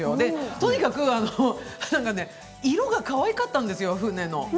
とにかく色がかわいかったんですよ、船の。